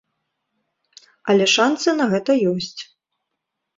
Але шанцы на гэта ёсць.